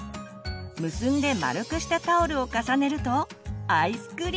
結んで丸くしたタオルを重ねるとアイスクリーム。